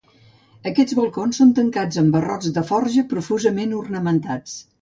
Aquests balcons són tancats amb barrots de forja profusament ornamentats.